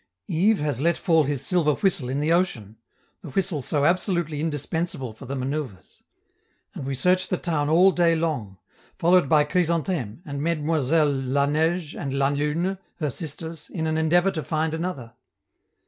Yves has let fall his silver whistle in the ocean, the whistle so absolutely indispensable for the manoeuvres; and we search the town all day long, followed by Chrysantheme and Mesdemoiselles La Neige and La Lune, her sisters, in the endeavor to find another.